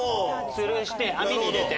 つるして網に入れて。